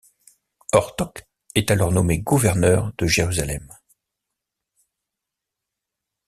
Ortoq et alors nommé gouverneur de Jérusalem.